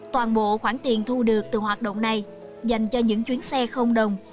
toàn bộ khoản tiền thu được từ hoạt động này dành cho những chuyến xe không đồng